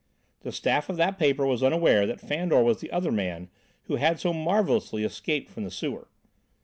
The staff of that paper was unaware that Fandor was the other man who had so marvellously escaped from the sewer.